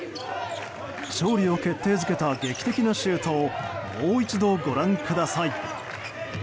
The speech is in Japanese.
勝利を決定づけた劇的なシュートをもう一度ご覧ください。